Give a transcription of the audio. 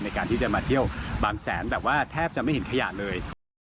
ในการที่จะมาเที่ยวบางแสนแบบว่าแทบจะไม่เห็นขยะเลยนะครับ